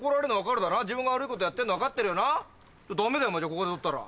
ここで取ったら。